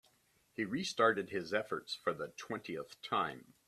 He restarted his efforts for the twentieth time.